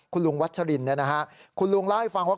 คุณลุงวัชรินคุณลุงเล่าให้ฟังว่า